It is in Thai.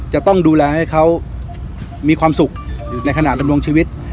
จะต้องดูแลให้เขามีความสุขอยู่ในขณะดำรงชีวิต